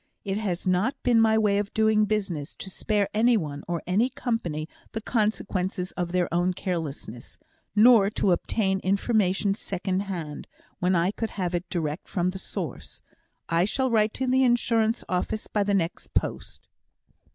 It has not been my way of doing business to spare any one, or any company, the consequences of their own carelessness; nor to obtain information second hand when I could have it direct from the source. I shall write to the Insurance Office by the next post."